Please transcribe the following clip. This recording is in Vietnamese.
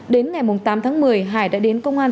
đến ngày tám tháng một mươi hải đã đến công an